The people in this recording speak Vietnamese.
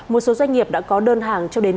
một số doanh nghiệp đã có đơn hàng cho đến